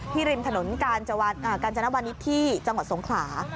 ที่ริมถนนกาญจนบรรณิชย์ที่จังหวัดสงขลา